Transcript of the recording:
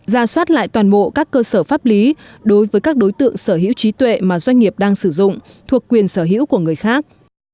ra soát lại toàn bộ các cơ sở pháp lý đối với các đối tượng sở hữu trí tuệ mà doanh nghiệp đang sử dụng thuộc quyền sở hữu của người khác